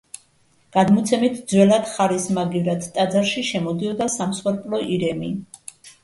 გადმოცემით, ძველად ხარის მაგივრად ტაძარში შემოდიოდა სამსხვერპლო ირემი.